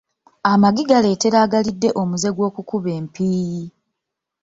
Amagi galeetera agalidde omuze gw’okukuba empiiyi.